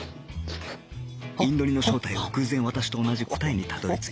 インド煮の正体を偶然私と同じ答えにたどり着いた